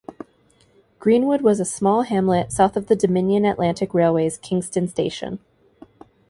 Greenwood was a small hamlet south of the Dominion Atlantic Railway's Kingston Station.